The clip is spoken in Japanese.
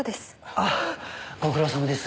ああご苦労さまです。